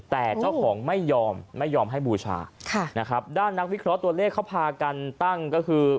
แต่เจ้าของไม่ยอมไม่ยอมให้บูชาค่ะนะครับด้านนักวิเคราะห์ตัวเลขเขาพากันตั้งก็คือ